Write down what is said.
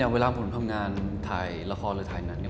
เวลาผมทำงานถ่ายละครหรือถ่ายหนังเนี่ย